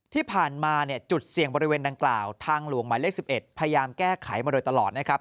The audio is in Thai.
ที่ผ่านมาจุดเสี่ยงบริเวณดังกล่าวทางหลวงหมายเลข๑๑พยายามแก้ไขมาโดยตลอดนะครับ